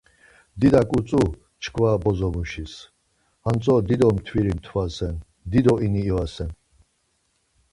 Didak utzu çkva bozo muşis, Hantzo dido mtviri mtvasen, dido ini ivasen.